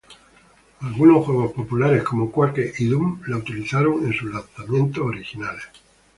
Algunos juegos populares como "Quake" y "Doom" la utilizaron en sus lanzamientos originales.